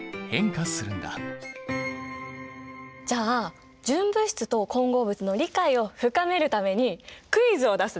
じゃあ純物質と混合物の理解を深めるためにクイズを出すね。